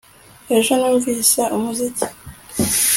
Ejo numvise umuziki